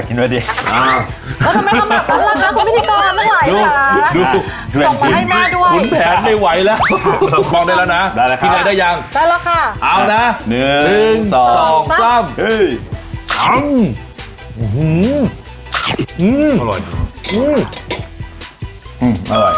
มันเป็นอย่างนั้นจริงครับจะบอกว่าน้ำจิ้มคุณแม่คือดีมาก